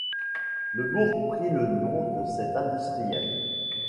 Le bourg prit le nom de cet industriel.